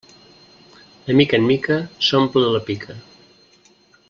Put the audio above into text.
De mica en mica s'omple la pica.